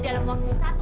dalam keadaan ibu